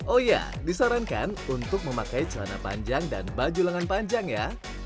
oh iya disarankan untuk memakai celana panjang dan baju lengan panjang ya